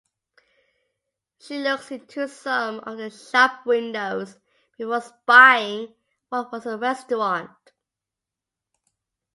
She looks into some of the shop windows before spying what was a restaurant.